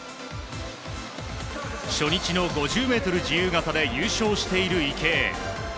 初日の５０ｍ自由形で優勝している池江。